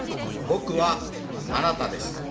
僕は、あなたです。